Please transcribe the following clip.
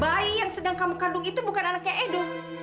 bayi yang sedang kamu kandung itu bukan anaknya edo